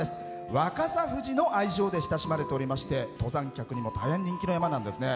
若狭ふじの愛称で親しまれていまして登山客にも大変人気の山なんですね。